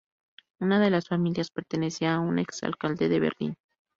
Una de las familias pertenecía a un ex-alcalde de Berlín.